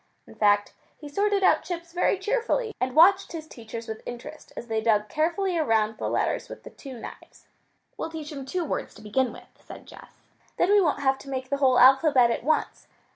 In fact, he sorted out chips very cheerfully and watched his teachers with interest as they dug carefully around the letters with the two knives. "We'll teach him two words to begin with," said Jess. "Then we won't have to make the whole alphabet at once.